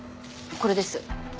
これです。